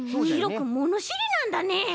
ひろくんものしりなんだね。